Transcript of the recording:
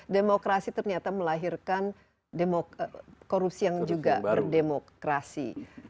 demokrasi ternyata melahirkan korupsi yang juga berdemokrasi